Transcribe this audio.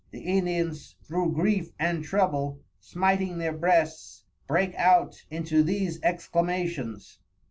The Indians through Grief and Trouble, smiting their Breasts, brake out into these Exclamations.